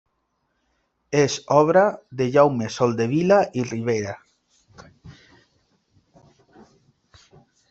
És obra de Jaume Soldevila i Ribera.